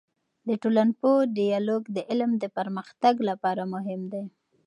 د ټولنپوه ديالوګ د علم د پرمختګ لپاره مهم دی.